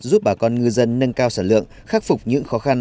giúp bà con ngư dân nâng cao sản lượng khắc phục những khó khăn